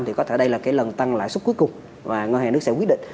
thì có thể đây là cái lần tăng lãi xuất cuối cùng mà ngân hàng nước sẽ quyết định